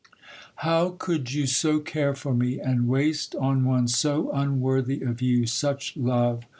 'How could you so care for me, and waste on one so unworthy of you such love?